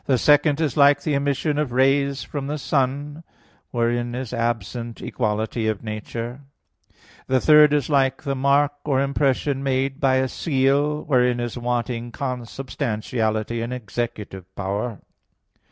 The second is like the emission of rays from the sun; wherein is absent equality of nature. The third is like the mark or impression made by a seal; wherein is wanting consubstantiality and executive power.